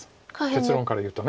結論から言うと。